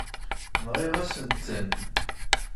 Nɣiɣ-asent-ten.